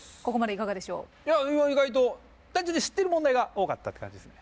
いや意外と単純に知ってる問題が多かったって感じですね。